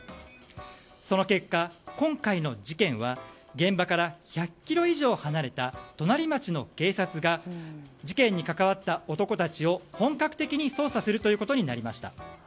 その結果、今回の事件は現場から１００ｋｍ以上離れた隣町の警察が事件に関わった男たちを本格的に捜査するということになりました。